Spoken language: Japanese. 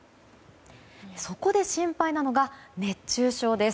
そこで心配なのが熱中症です。